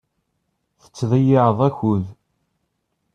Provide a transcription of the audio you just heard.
Tettḍeyyiɛeḍ akud.